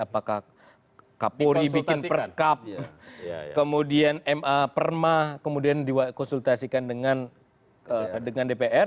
apakah kapolri bikin perkap kemudian ma perma kemudian dikonsultasikan dengan dpr